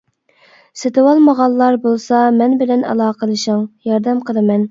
سېتىۋالالمىغانلار بولسا مەن بىلەن ئالاقىلىشىڭ، ياردەم قىلىمەن.